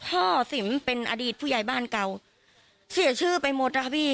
สิมเป็นอดีตผู้ใหญ่บ้านเก่าเสียชื่อไปหมดนะคะพี่